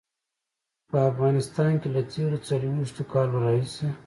په افغانستان کې له تېرو څلويښتو کالو راهيسې.